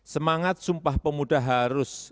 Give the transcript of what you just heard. semangat sumpah pemuda harus